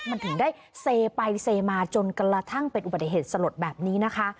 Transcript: มันถึงได้เซไปเซมาจนกระทั่งเป็นอุบัติเหตุสลดแบบนี้นะคะ